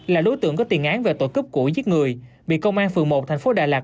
là đối tượng có tiền án về tội cướp cỗi giết người bị công an phường một thành phố đà lạt